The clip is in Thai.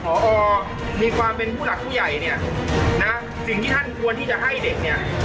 พอมีความเป็นผู้หลักผู้ใหญ่เนี่ยนะสิ่งที่ท่านควรที่จะให้เด็กเนี่ย